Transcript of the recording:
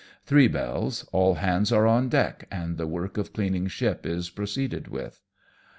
Three bells, all hands are on deck, and the work of cleaning ship is proceeded with.